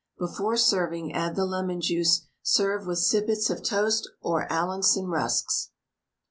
Before serving, add the Lemon juice; serve with sippets of toast or Allinson rusks.